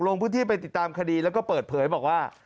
ลงพื้นที่ไปติดตามคดีแล้วก็เปิดเผยบอกว่า